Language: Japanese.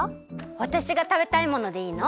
わたしがたべたいものでいいの？